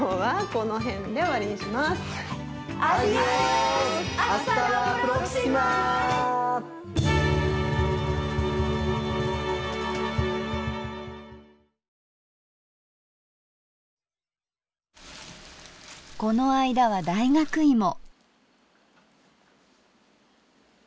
この間は大学芋。